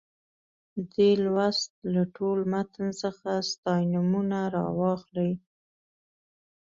دې لوست له ټول متن څخه ستاینومونه راواخلئ.